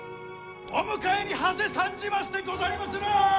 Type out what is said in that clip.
お迎えにはせ参じましてござりまする！